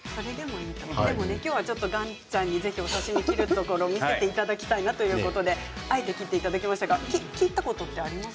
でもね、今日は岩ちゃんにぜひお刺身を切るところを見せていただきたいなということであえて切っていただきましたが切ったことってあります？